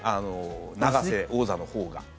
永瀬王座のほうが。